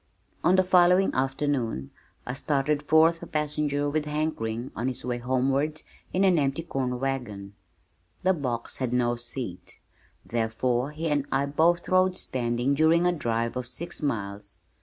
On the following afternoon I started forth a passenger with Hank Ring on his way homeward in an empty corn wagon. The box had no seat, therefore he and I both rode standing during a drive of six miles.